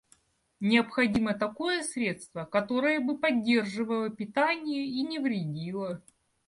Необходимо такое средство, которое бы поддерживало питание и не вредило.